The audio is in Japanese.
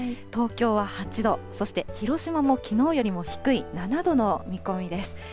東京は８度、そして広島もきのうよりも低い７度の見込みです。